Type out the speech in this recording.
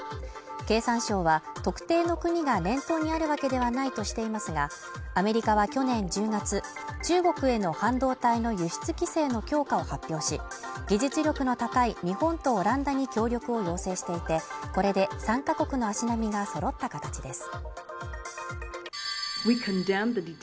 経産省は特定の国が念頭にあるわけではないとしていますが、アメリカは去年１０月、中国への半導体の輸出規制の強化を発表し、技術力の高い日本とオランダに協力を要請していて、これで３カ国の足並みが揃った形です。